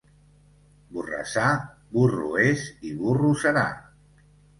Borrassà, burro és i burro serà.